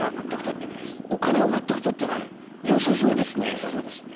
よさそうですよね。